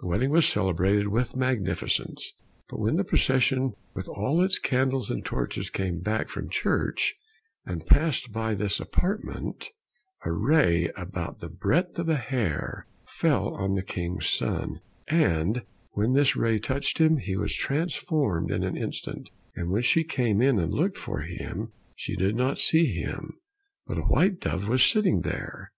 The wedding was celebrated with magnificence, but when the procession with all its candles and torches came back from church, and passed by this apartment, a ray about the breadth of a hair fell on the King's son, and when this ray touched him, he was transformed in an instant, and when she came in and looked for him, she did not see him, but a white dove was sitting there.